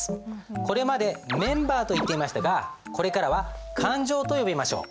これまでメンバーといっていましたがこれからは勘定と呼びましょう。